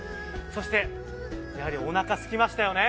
そして、やはりおなかすきましたよね。